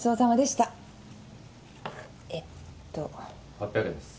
８００円です。